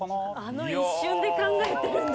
あの一瞬で考えてるんだ。